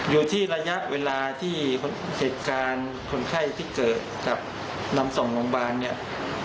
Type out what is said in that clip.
อยู่ที่ระยะเวลาที่เหตุการณ์คนไข้ที่เกิดกับนำส่งโรงพยาบาลเนี่ย